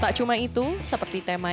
tak cuma itu seperti temanya ini